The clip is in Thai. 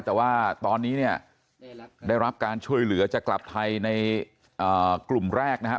แต่ว่าตอนนี้เนี่ยได้รับการช่วยเหลือจะกลับไทยในกลุ่มแรกนะครับ